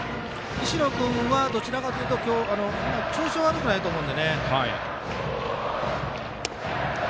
石野君はどちらかというと今日調子は悪くないと思うんでね。